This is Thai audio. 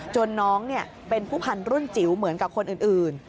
น้องเป็นผู้พันธุรุ่นจิ๋วเหมือนกับคนอื่น